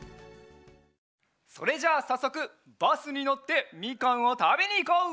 それじゃあさっそくバスにのってみかんをたべにいこう！